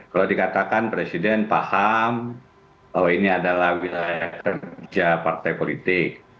kalau dikatakan presiden paham bahwa ini adalah wilayah kerja partai politik